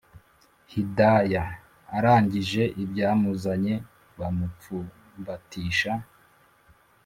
hidaya arangije ibyamuzanye bamuphumbatisha